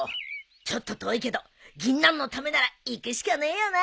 ちょっと遠いけどギンナンのためなら行くしかねえよな。